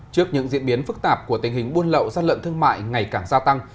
trước những diễn biến phức tạp của tình hình buôn lậu gian lận thương mại ngày càng gia tăng